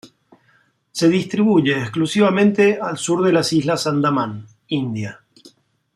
Se distribuye exclusivamente al sur de las islas Andamán, India.